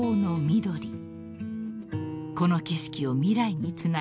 ［この景色を未来につなぐ］